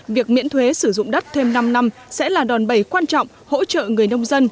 việc miễn thuế sử dụng đất thêm năm năm sẽ là đòn bầy quan trọng hỗ trợ người nông dân